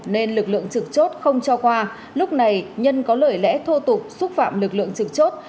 nên lực lượng trực chốt không cho khoa lúc này nhân có lời lẽ thô tục xúc phạm lực lượng trực chốt